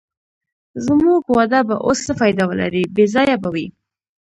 زموږ واده به اوس څه فایده ولرې، بې ځایه به وي.